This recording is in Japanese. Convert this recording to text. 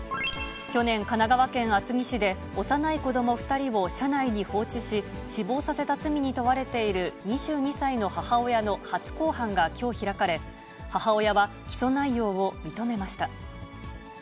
去年、神奈川県厚木市で、幼い子ども２人を車内に放置し、死亡させた罪に問われている２２歳の母親の初公判がきょう開かれ、母親は、起訴内容を認めました。